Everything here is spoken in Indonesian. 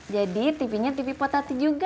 jadi tipinya tipi kok tati juga